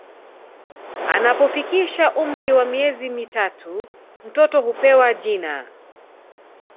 Anapofikisha umri wa miezi mitatu mtoto hupewa jina